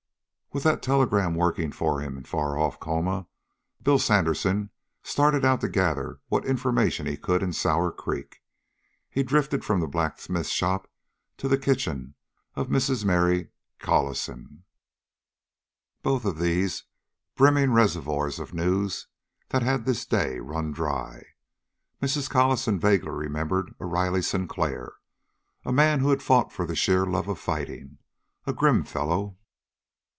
With that telegram working for him in far off Colma, Bill Sandersen started out to gather what information he could in Sour Creek. He drifted from the blacksmith shop to the kitchen of Mrs. Mary Caluson, but both these brimming reservoirs of news had this day run dry. Mrs. Caluson vaguely remembered a Riley Sinclair, a man who fought for the sheer love of fighting. A grim fellow!